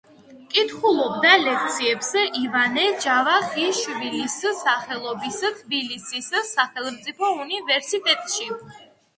კითხულობდა ლექციებს ივანე ჯავახიშვილის სახელობის თბილისის სახელმწიფო უნივერსიტეტში.